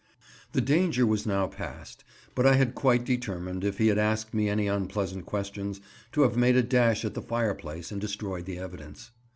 The danger was now past, but I had quite determined, if he had asked me any unpleasant questions, to have made a dash at the fire place and destroyed the evidence.